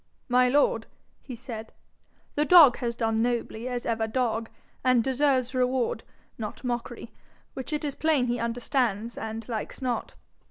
'My lord,' he said, 'the dog has done nobly as ever dog, and deserves reward, not mockery, which it is plain he understands, and likes not.